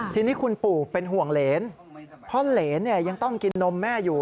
ทีนี้คุณปู่เป็นห่วงเหรนเพราะเหรนยังต้องกินนมแม่อยู่